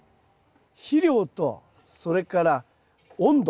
肥料とそれから温度